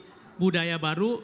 dan itu akan menjadi budaya baru